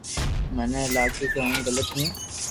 مني اي لاگي ڪي ھون گلت ھون